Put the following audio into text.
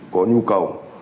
có nhu cầu